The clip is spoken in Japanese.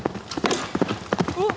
おっ！